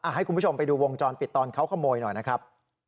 ให้คุณผู้ชมไปดูวงจรปิดตอนเขาขโมยหน่อยนะครับ